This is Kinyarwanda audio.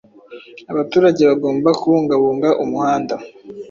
Abaturage bagomba kubungabunga umuhanda